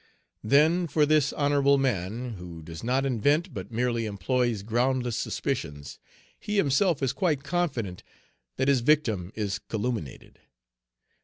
Then for this honorable man, who does not Page 230 invent, but merely employs groundless suspicions, he himself is quite confident that his victim is calumniated.